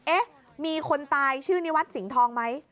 เอ๊ะมีคนตายชื่อนิวัตรสิงห์ทองไหม